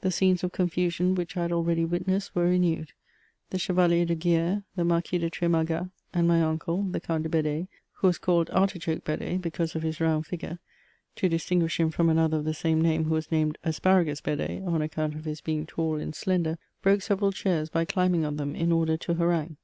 The scenes of confusion which I had already witnessed were renewed. The Chevalier de Guer, the Marquis de Tr^margat, and my uncle, the Count de Bedee, who was called artichoke BedeehecsMse of his round figure, to distinguish him from another of the same name, who was named asparagus Bedfe, on account of his being tall and slender, broke several chairs by climbing on them in order to harangue.